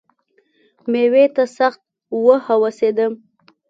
مېوې ته سخت وهوسېدم .